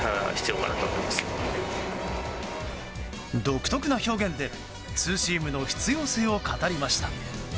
独特な表現で、ツーシームの必要性を語りました。